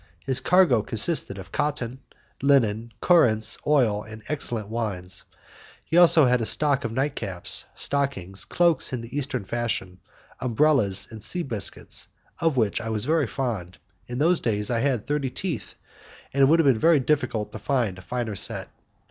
His cargo consisted of cotton, linen, currants, oil, and excellent wines. He had also a stock of night caps, stockings, cloaks in the Eastern fashion, umbrellas, and sea biscuits, of which I was very fond; in those days I had thirty teeth, and it would have been difficult to find a finer set.